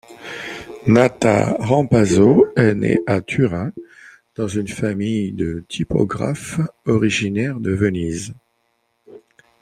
Nata Rampazzo est né à Turin dans une famille de typographes originaires de Venise.